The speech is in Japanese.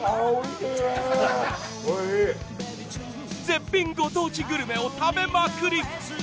絶品ご当地グルメを食べまくり！